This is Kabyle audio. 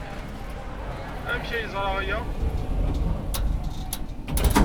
Amek ay yeẓra aya?